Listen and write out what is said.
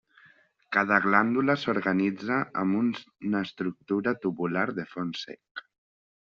Cada glàndula s'organitza amb una estructura tubular de fons sec.